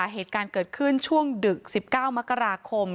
เหตุการณ์เกิดขึ้นช่วงดึก๑๙มกราคม